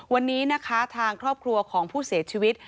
วันนี้นะคะทางครอบครัวของผู้เสียชีวิต